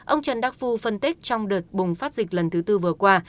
ông trần đắc phu phân tích trong đợt bùng phát dịch lần thứ tư vừa qua